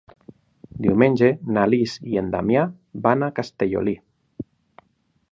Diumenge na Lis i en Damià van a Castellolí.